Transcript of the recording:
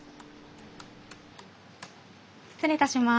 失礼いたします。